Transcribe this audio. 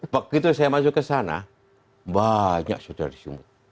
begitu saya masuk ke sana banyak saudara di sumut